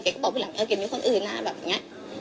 เก๋ก็บอกพี่แหลมว่าเก๋กมีคนอื่นนาแบบอย่างนี้